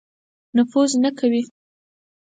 نفوذ نه کوي.